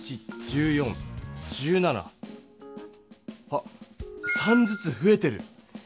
あっ３ずつふえてる。